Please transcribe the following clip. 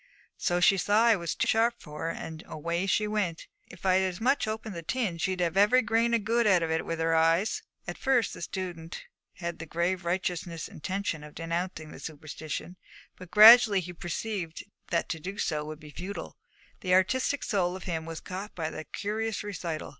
So she saw I was too sharp for her, and away she went. If I'd as much as opened the tin, she'd have had every grain of good out of it with her eyes.' At first the student had had the grave and righteous intention of denouncing the superstition, but gradually he had perceived that to do so would be futile. The artistic soul of him was caught by the curious recital.